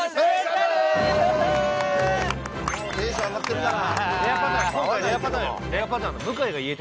テンション上がってるから。